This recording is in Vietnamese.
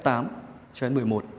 cho đến một mươi một